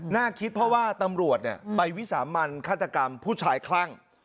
น่าคิดเพราะว่าตำรวจไปวิสามันฆาตกรรมผู้ชายคลั่ง